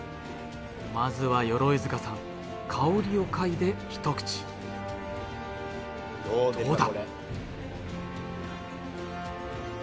まずは鎧塚さん香りを嗅いで一口どうだ！